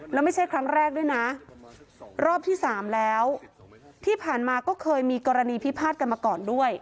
แล้วไม่ใช่ครั้งแรกด้วยนะรอบที่สามแล้วที่ผ่านมาก็เคยมีกรณีพิพาทกันมาก่อนด้วย